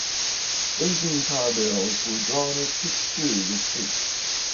Blazing tar-barrels were drawn or kicked through the street.